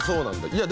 いや